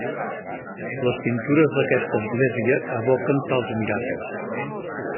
Les pintures d'aquesta església evoquen tals miracles.